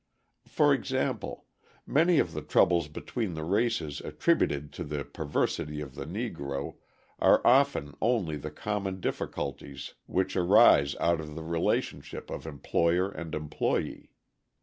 For example, many of the troubles between the races attributed to the perversity of the Negro are often only the common difficulties which arise out of the relationship of employer and employee.